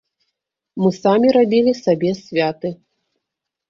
Мы самі рабілі сабе святы.